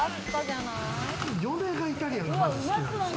嫁がイタリアンが好きなんですよ。